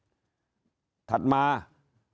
ตัวเลขการแพร่กระจายในต่างจังหวัดมีอัตราที่สูงขึ้น